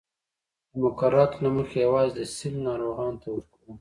د مقرراتو له مخې یوازې د سِل ناروغانو ته ورکوو.